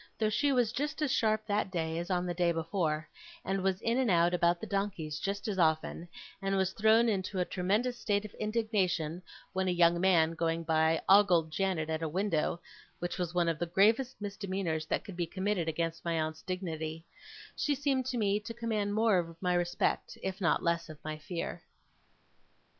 Though she was just as sharp that day as on the day before, and was in and out about the donkeys just as often, and was thrown into a tremendous state of indignation, when a young man, going by, ogled Janet at a window (which was one of the gravest misdemeanours that could be committed against my aunt's dignity), she seemed to me to command more of my respect, if not less of my fear.